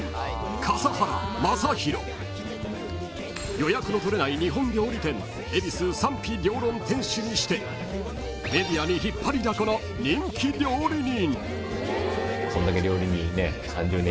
［予約の取れない日本料理店恵比寿賛否両論店主にしてメディアに引っ張りだこの人気料理人］